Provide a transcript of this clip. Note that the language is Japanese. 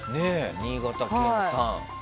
新潟県産。